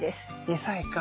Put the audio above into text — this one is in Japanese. ２歳か。